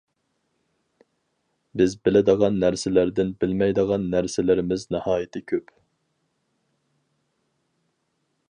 بىز بىلىدىغان نەرسىلەردىن بىلمەيدىغان نەرسىلىرىمىز ناھايىتى كۆپ.